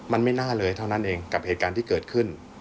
มันไม่น่าเลยเท่านั้นเองกับเหตุการณ์ที่เกิดขึ้น